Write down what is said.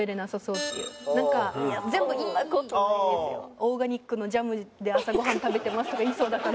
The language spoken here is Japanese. オーガニックのジャムで朝ごはん食べてますとか言いそうだから。